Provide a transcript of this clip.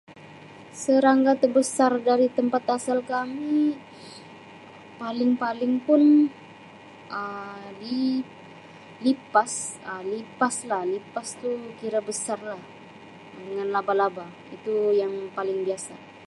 Serangga terbesar dari tempat asal kami paling-paling pun Um li-lipas Um lipas lah Um lipas tu kira besar lah dengan labah-labah itu yang paling biasa.